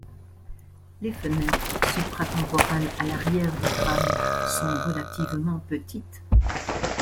Les fenêtres supratemporales à l'arrière du crâne, sont relativement petites.